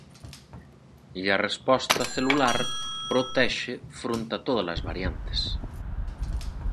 E a resposta celular protexe fronte a todas as variantes.